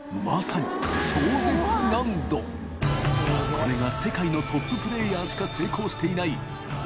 海譴世界のトッププレーヤーしか成功していない